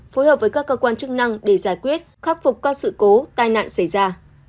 phối hợp với các cơ quan chức năng để giải quyết khắc phục các sự cố tai nạn xảy ra